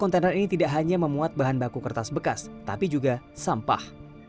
kontainer ini tidak hanya memuat bahan baku kertas bekas tapi juga sampah